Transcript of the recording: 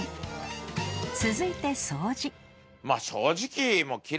［続いて掃除］